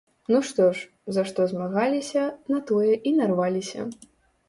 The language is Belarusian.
Ну што ж, за што змагаліся, на тое і нарваліся.